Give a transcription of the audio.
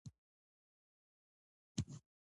خدایه ماته سمه لاره وښیه.